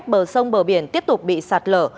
bờ sông bờ biển tiếp tục bị sạt lở